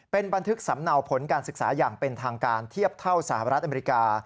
เป็นบันทึกสำเนาผลการศึกษาอย่างเป็นทางการเทียบเท่าสหรัฐอเมริกา